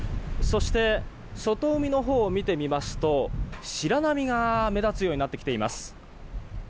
そして外海のほうを見てみますと白波が目立つようになってきています。